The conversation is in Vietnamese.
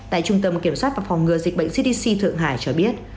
tại trung tâm kiểm soát và phòng ngừa dịch bệnh cdc thượng hải cho biết